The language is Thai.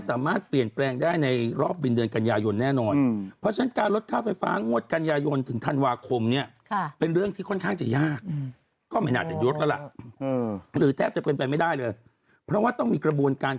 ค่าเอฟสตินก็จะถูกลงไปเยอะพอสมควร